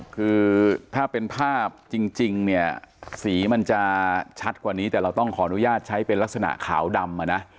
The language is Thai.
คือถ้าเป็นภาพจริงเนี่ยสีมันจะชัดกว่านี้แต่เราต้องขออนุญาตใช้เป็นลักษณะขาวดำอ่ะนะ